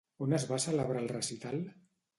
On es va celebrar el recital?